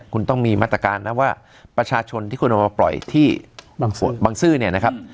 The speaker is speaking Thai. คุณต้องมีมาตรการนะว่าประชาชนที่คุณเอามาปล่อยที่บางส่วนบางซื่อเนี่ยนะครับ